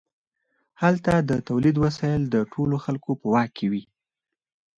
هلته د تولید وسایل د ټولو خلکو په واک کې وي.